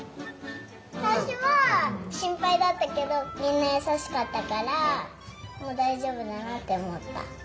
さいしょはしんぱいだったけどみんなやさしかったからもうだいじょうぶだなっておもった。